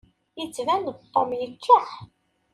Yettban-d Tom yeččeḥ.